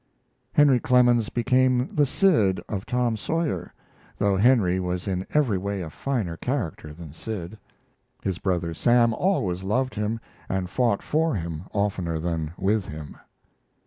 Henry Clemens became the Sid of Tom Sawyer, though Henry was in every way a finer character than Sid. His brother Sam always loved him, and fought for him oftener than with him.